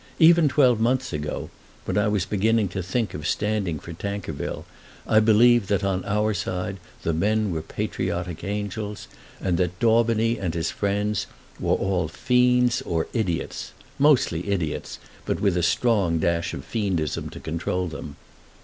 Even twelve months ago, when I was beginning to think of standing for Tankerville, I believed that on our side the men were patriotic angels, and that Daubeny and his friends were all fiends or idiots, mostly idiots, but with a strong dash of fiendism to control them.